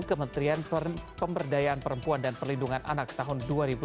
kementerian pemberdayaan perempuan dan perlindungan anak tahun dua ribu dua puluh